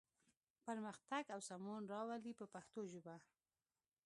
پرمختګ او سمون راولي په پښتو ژبه.